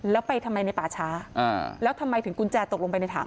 แล้วไปทำไมในป่าช้าแล้วทำไมถึงกุญแจตกลงไปในถัง